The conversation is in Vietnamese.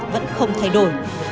vẫn không thay đổi